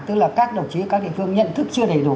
tức là các đồng chí ở các địa phương nhận thức chưa đầy đủ